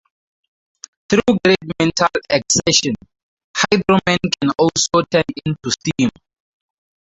Through great mental exertion, Hydro-Man can also turn into steam.